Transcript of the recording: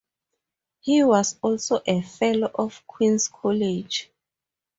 He was also a Fellow of Queen's College.